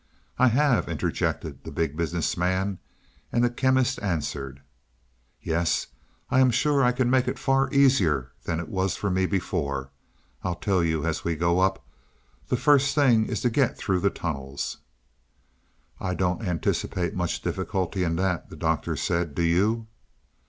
"I have," interjected the Big Business Man, and the Chemist answered: "Yes, I am sure I can make it far easier than it was for me before. I'll tell you as we go up; the first thing is to get through the tunnels." "I don't anticipate much difficulty in that," the Doctor said. "Do you?"